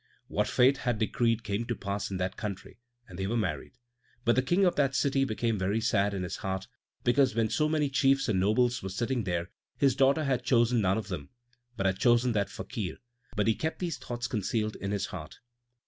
What fate had decreed came to pass in that country, and they were married. But the King of that city became very sad in his heart, because when so many chiefs and nobles were sitting there his daughter had chosen none of them, but had chosen that Fakir; but he kept these thoughts concealed in his heart.